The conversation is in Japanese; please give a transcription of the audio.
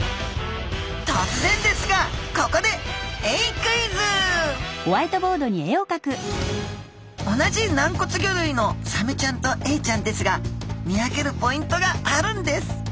とつぜんですがここで同じ軟骨魚類のサメちゃんとエイちゃんですが見分けるポイントがあるんです。